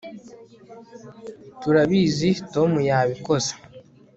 turabizi tom yabikoze